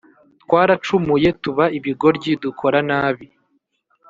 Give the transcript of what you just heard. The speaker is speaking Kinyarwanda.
Twaracumuye, tuba ibigoryi dukora nabi